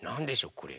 これ。